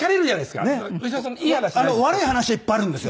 悪い話はいっぱいあるんですよ。